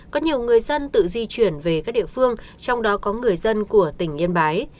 có nhiều người dân tự di chuyển về các địa phương trong đó có người dân của tỉnh yên bái